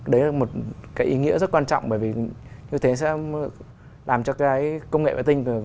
đấy là một cái ý nghĩa rất quan trọng bởi vì như thế sẽ làm cho cái công nghệ vệ tinh